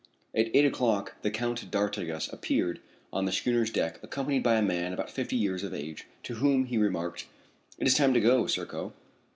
At eight o'clock the Count d'Artigas appeared on the schooner's deck accompanied by a man about fifty years of age, to whom he remarked: "It is time to go, Serko."